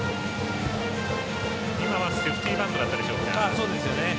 今はセーフティーバントでしたでしょうか。